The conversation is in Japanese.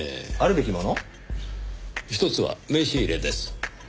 ひとつは名刺入れです。